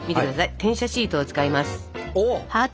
転写シートを使います。